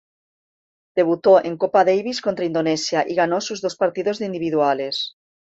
Debutó en Copa Davis contra Indonesia y ganó sus dos partidos de individuales.